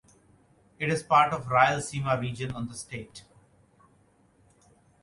It is part of Rayalaseema region on the state.